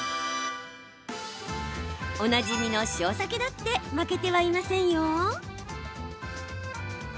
おなじみの塩ザケだって負けてはいませんよ。